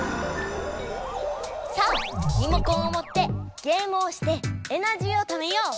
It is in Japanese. さあリモコンを持ってゲームをしてエナジーをためよう！